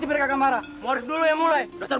sekarang kau akan menjadi budakku hasan